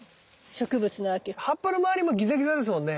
葉っぱの周りもギザギザですもんね。